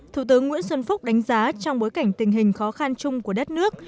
thủ tướng nguyễn xuân phúc đánh giá trong bối cảnh tình hình khó khăn chung của đất nước